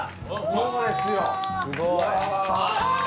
そうですよ。